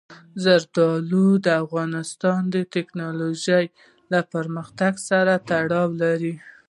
زردالو د افغانستان د تکنالوژۍ له پرمختګ سره تړاو لري.